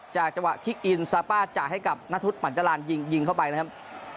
จากเฉพาะคิกอินซาป้าจากให้กับนทุศหมั่นจรานยิงเข้าไปนะครับ